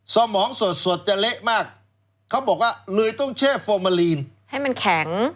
สมองสดจะเละมากเขาบอกว่าเลยต้องแช่ฟอร์มาลีนให้มันแข็ง